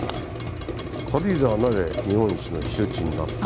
「軽井沢はなぜ日本一の避暑地になった⁉」。